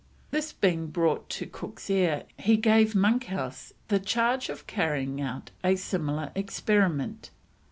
This being brought to Cook's ear, he gave Monkhouse the charge of carrying out a similar experiment.